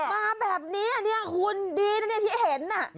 มาแบบนี้อ่ะคุณดีนะที่เห็น